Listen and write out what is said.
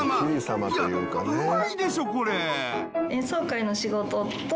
いやうまいでしょこれ！